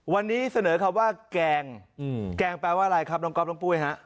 วันนี้เสนอคำว่าแกงแกงแปลว่าอะไรครับน้องก๊อฟน้องปุ้ยฮะ